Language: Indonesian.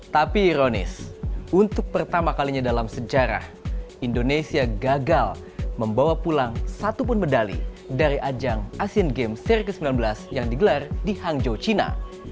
tapi ironis untuk pertama kalinya dalam sejarah indonesia gagal membawa pulang satu pun medali dari ajang asian games seri ke sembilan belas yang digelar di hangzhou cina